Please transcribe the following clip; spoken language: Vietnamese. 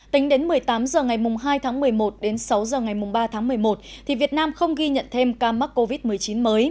tính đến một mươi tám h ngày hai tháng một mươi một đến sáu h ngày ba tháng một mươi một việt nam không ghi nhận thêm ca mắc covid một mươi chín mới